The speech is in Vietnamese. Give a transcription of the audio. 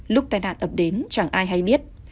lúc tai nạn ập đến chẳng ai hay biết